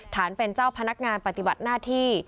ฐานเป็นเจ้าพนักงานปฏิบัติหน้าที่